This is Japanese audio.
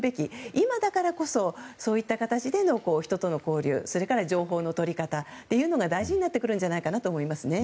今だからこそそういった形での人との交流それから情報の取り方が大事になってくると思いますね。